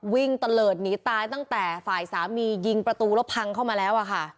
ตะเลิศหนีตายตั้งแต่ฝ่ายสามียิงประตูแล้วพังเข้ามาแล้วอะค่ะ